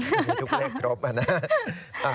มีทุกเลขครบอะนะ